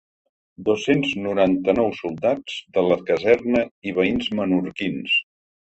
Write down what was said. Dos-cents noranta-nou soldats de la caserna i veïns menorquins.